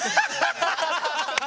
ハハハハハ。